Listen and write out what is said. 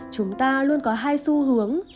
chúng ta luôn có hai xu hướng